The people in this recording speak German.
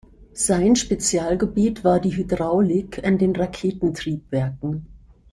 Sein Spezialgebiet war die Hydraulik an den Raketentriebwerken.